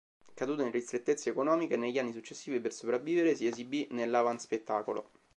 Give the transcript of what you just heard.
Caduto in ristrettezze economiche, negli anni successivi per sopravvivere si esibì nell'avanspettacolo.